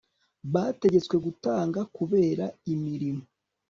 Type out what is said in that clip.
bategetswe gutanga kubera imirimo